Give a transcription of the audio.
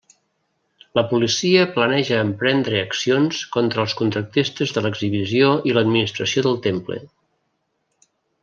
La policia planeja emprendre accions contra els contractistes de l'exhibició i l'administració del temple.